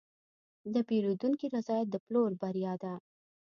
د پیرودونکي رضایت د پلور بریا ده.